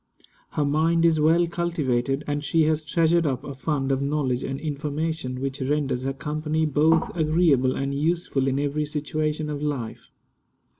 Her mind is well cultivated, and she has treasured up a fund of knowledge and information which renders her company both agreeable and useful in every situation of life.